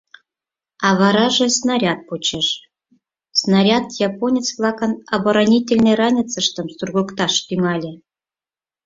А вараже снаряд почеш: снаряд японец-влакын оборонительный ранецыштым сургыкташ тӱҥале.